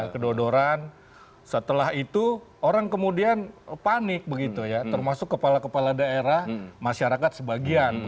kedodoran setelah itu orang kemudian panik begitu ya termasuk kepala kepala daerah masyarakat sebagian